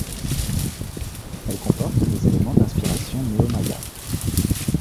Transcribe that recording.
Elle comporte des éléments d’inspiration néo-maya.